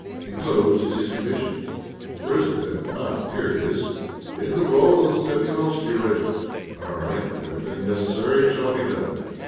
Enclosed is his commission' Where is it then? Ah! here it is! 'in the roll of the Séménofsky Regiment' All right; everything necessary shall be done.